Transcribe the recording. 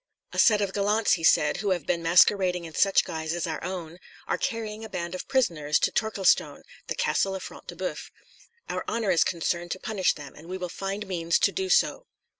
"A set of gallants," he said, "who have been masquerading in such guise as our own, are carrying a band of prisoners to Torquilstone, the castle of Front de Boeuf. Our honour is concerned to punish them, and we will find means to do so."